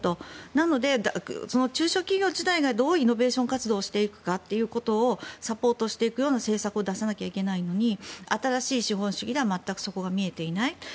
なので、中小企業自体がどうイノベーション活動していくかというのをサポートしていくような政策を出さなくてはいけないのに新しい資本主義では全くそこが見えていない。